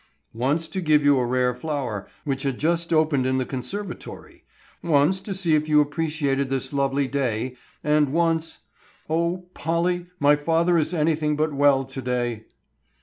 "Once to give you a rare flower, which had just opened in the conservatory. Once to see if you appreciated this lovely day, and once,—O Polly, my father is anything but well to day."